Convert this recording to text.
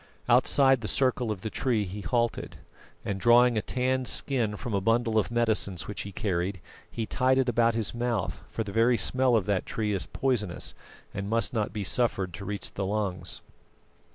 Outside the circle of the tree he halted, and drawing a tanned skin from a bundle of medicines which he carried, he tied it about his mouth; for the very smell of that tree is poisonous and must not be suffered to reach the lungs.